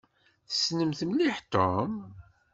Tessnemt mliḥ Tom?